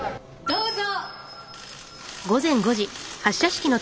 どうぞ。